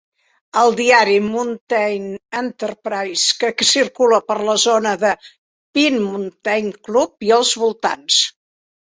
El diari "Mountain Entreprise", que circula per la zona de Pine Mountain Club i els voltants.